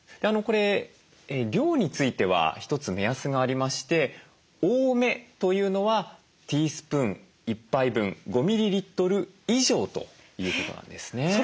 これ量については一つ目安がありまして多めというのはティースプーン１杯分５ミリリットル以上ということなんですね。